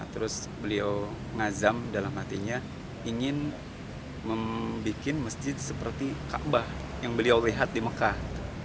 terus beliau ngazam dalam hatinya ingin membuat masjid seperti ⁇ kabah ⁇ yang beliau lihat di mekah